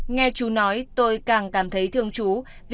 nghe chú nói tôi càng cảm thấy thương chú